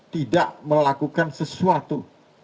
tidak melakukan sesuatu